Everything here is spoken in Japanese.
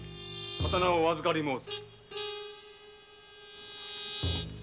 刀をお預かり申す。